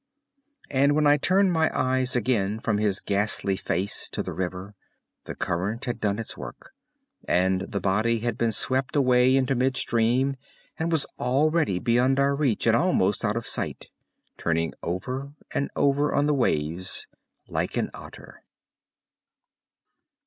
And when I turned my eyes again from his ghastly face to the river, the current had done its work, and the body had been swept away into mid stream and was already beyond our reach and almost out of sight, turning over and over on the waves like an otter.